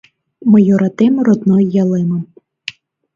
Мый йӧратем родной ялемым